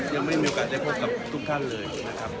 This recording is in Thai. ยังไม่มีโอกาสได้พบกับทุกท่านเลยนะครับ